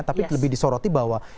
tapi lebih disoroti bahwa